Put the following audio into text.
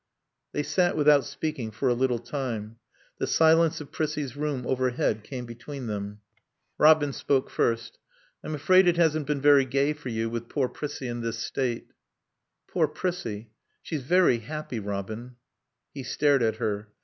They sat without speaking for a little time. The silence of Prissie's room overhead came between them. Robin spoke first. "I'm afraid it hasn't been very gay for you with poor Prissie in this state." "Poor Prissie? She's very happy, Robin." He stared at her.